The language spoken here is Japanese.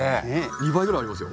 ２倍ぐらいありますよ。